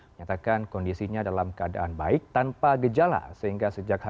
pertanyaan yang terakhir adalah